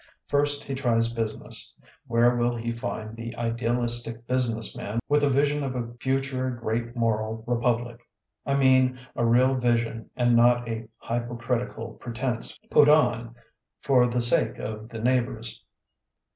First he tries business ; where will he find the idealistic business man with a vision of a future great moral repub lic— I mean a real vision and not a hjrpocritical pretense put on for the sake of the neighbors?